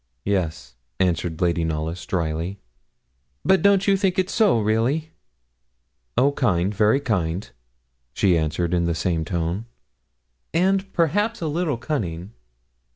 'Yes,' answered Lady Knollys, drily. 'But don't you think it so, really?' 'Oh! kind, very kind,' she answered in the same tone, 'and perhaps a little cunning.'